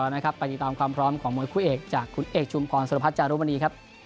ไปติดตามความพร้อมของมคุ้ยเอกจากคุณเอกชุมพรสุรรพัชจารุบรรดี